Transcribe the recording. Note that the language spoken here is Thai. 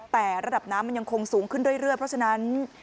แต่ระดับน้ำมันยังคงสูงขึ้นเรื่อยเพราะฉะนั้น